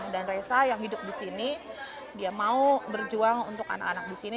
dan resa yang hidup di sini dia mau berjuang untuk anak anak di sini